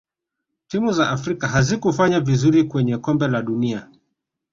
timu za afrika hazikufanya vizuri kwenye kombe la dunia